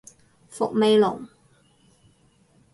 伏味濃